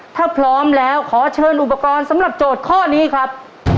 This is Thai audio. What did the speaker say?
ถ้าพร้อมแล้วขอเชิญอุปกรณ์สำหรับโจทย์ข้อนี้ครับ